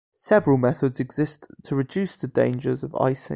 Several methods exist to reduce the dangers of icing.